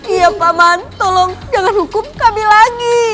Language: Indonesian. iya pak man tolong jangan hukum kami lagi